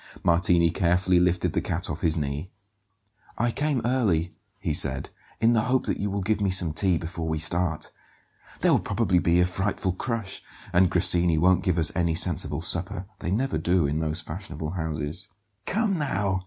Martini carefully lifted the cat off his knee. "I came early," he said, "in the hope that you will give me some tea before we start. There will probably be a frightful crush, and Grassini won't give us any sensible supper they never do in those fashionable houses." "Come now!"